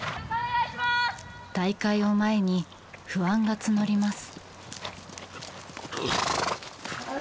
大会を前に不安が募ります。